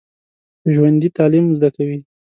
ژوندي تعلیم زده کوي